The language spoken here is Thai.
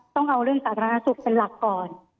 ต้องเอาเรื่องสาธารณสุขเป็นหลักก่อน